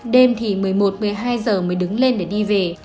đêm thì một mươi một một mươi hai giờ mới đứng lên để đi về